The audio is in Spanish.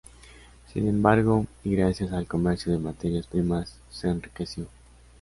Sin embargo, y gracias al comercio de materias primas, se enriqueció.